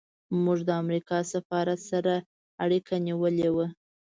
موږ د امریکا سفارت سره اړیکه نیولې وه.